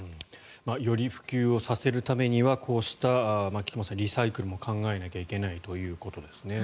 より普及をさせるためには菊間さん、こうしたリサイクルも考えなきゃいけないということですね。